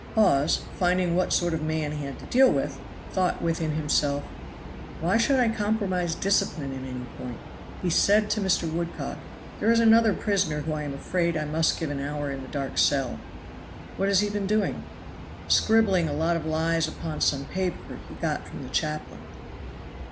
Hawes, finding what sort of a man he had to deal with, thought within himself, "Why should I compromise discipline in any point?" He said to Mr. Woodcock, "There is another prisoner whom I am afraid I must give an hour in the dark cell." "What has he been doing?" "Scribbling a lot of lies upon some paper he got from the chaplain."